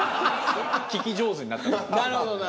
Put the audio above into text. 聞き上手になったと思います。